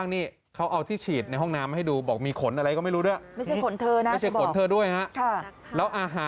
เมื่อกี้เธอใช้คำว่านรกเลยครับ